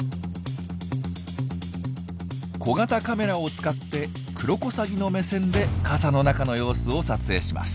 小型カメラを使ってクロコサギの目線で傘の中の様子を撮影します。